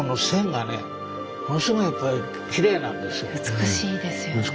美しいですよね。